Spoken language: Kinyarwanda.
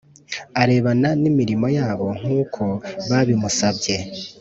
arebana n imirimo yabo nkuko babimusaba